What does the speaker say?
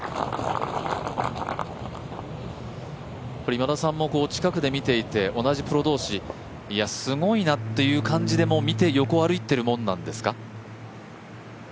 今田さんも近くで見ていて同じプロ同士すごいなっていう目で見て横歩いてるものなんですか？